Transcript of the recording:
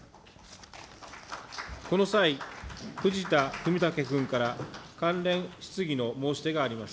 この際、藤田文武君から関連質疑の申し出があります。